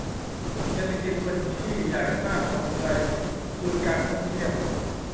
เศรษฐกิจส่วนที่ใหญ่มากของไทย คือการท่องเที่ยว